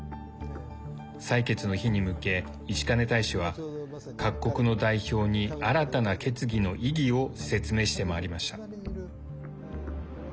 採決の日に向け、石兼大使は各国の代表に新たな決議の意義を説明して回りました。